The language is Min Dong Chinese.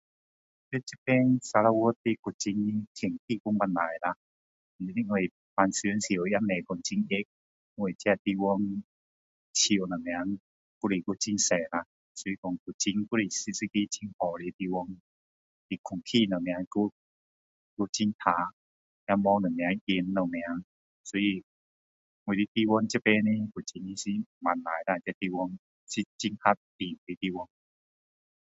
在这边沙捞越的古晋天气还不错啦因为平时也没有说很热因为这个地方树什么还是很多啦所以说古晋还是一个很好的地方空气什么还很干净也没有什么烟什么所以我的这边的古晋是不错啦是很适合住的地方